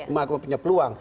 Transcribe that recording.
melakukan punya peluang